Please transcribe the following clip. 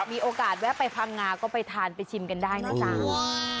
มีโอกาสแวะไปพังงาก็ไปทานไปชิมกันได้นะจ๊ะ